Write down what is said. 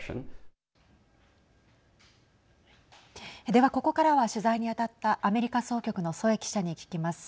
ではここからは取材に当たったアメリカ総局の添記者に聞きます。